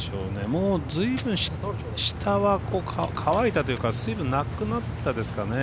もう随分、下は乾いたというか水分なくなったんですかね。